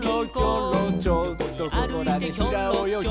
「ちょっとここらでひらおよぎ」